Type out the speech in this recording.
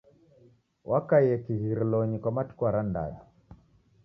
Wakaie kighirilonyi kwa matuku arandadu.